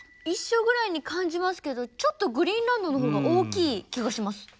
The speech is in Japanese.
一緒ぐらいに感じますけどちょっとグリーンランドのほうが大きい気がします。